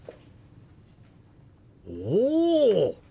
おお！